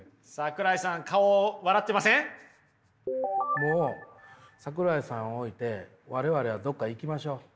もう桜井さん置いて我々はどこか行きましょう。